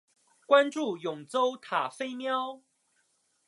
关注永雏塔菲喵